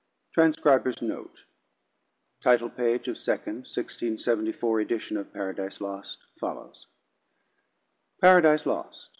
Transcriber's Note: Title page of second (1674) edition of Paradise Lost follows: Paradise Lost.